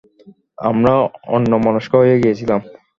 আমরা অন্যমনস্ক হয়ে গিয়েছিলাম।